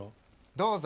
どうぞ。